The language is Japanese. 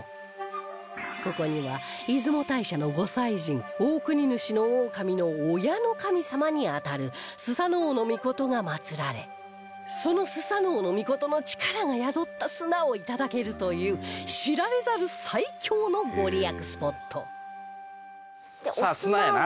ここには出雲大社の御祭神大国主大神の親の神様にあたるスサノオノミコトが祀られそのスサノオノミコトの力が宿った砂を頂けるという知られざる最強のご利益スポットさあ砂やな。